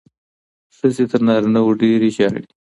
ښځې تر نارینه وو ډېرې ژاړي.